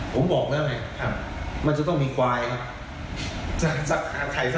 ผมบอกแล้วไงมันจะต้องมีควายครับ